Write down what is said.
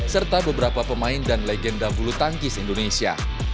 serta beberapa pemain dan legenda bulu tangkis indonesia